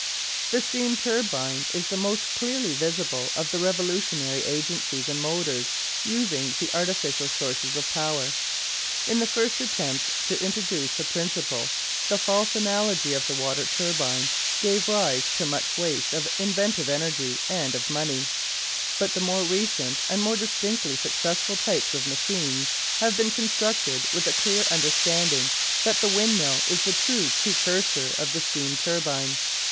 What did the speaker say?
The steam turbine is the most clearly visible of the revolutionary agencies in motors using the artificial sources of power. In the first attempts to introduce the principle the false analogy of the water turbine gave rise to much waste of inventive energy and of money; but the more recent and more distinctly successful types of machine have been constructed with a clear understanding that the windmill is the true precursor of the steam turbine.